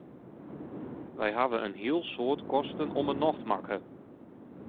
Wy hawwe in heel soad kosten om 'e nocht makke.